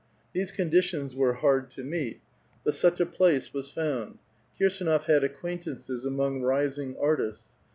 These conditions \^»re hard to meet ; but such a place was found. Kirsdnof had acquaintances among rising artists.